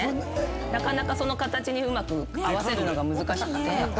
なかなかその形にうまく合わせるのが難しくて。